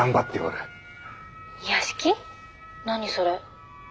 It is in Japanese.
何それ？